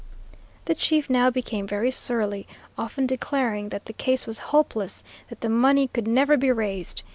The chief now became very surly, often declaring that the case was hopeless; that the money could never be raised.